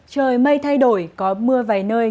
trời mây thay đổi có mưa vài nơi